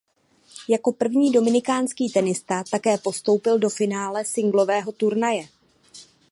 Jako první dominikánský tenista také postoupil do finále singlového turnaje.